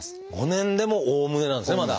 ５年でも「おおむね」なんですねまだ。